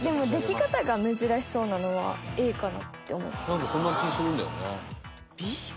なんかそんな気するんだよね。